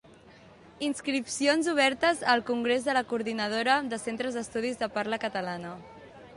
Inscripcions obertes al Congrés de la Coordinadora de Centres d'Estudis de Parla Catalana.